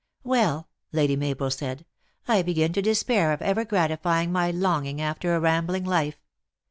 " Well," Lady Mabel said, " I begin to despair of ever gratifying my longing after a rambling life.